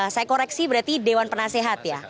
saya koreksi berarti dewan penasehat ya